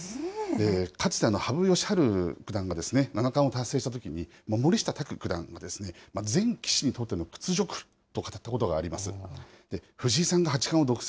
かつて、羽生善治九段が、七冠を達成したときに、森下卓九段が全棋士にとっての屈辱と語ったことがあります。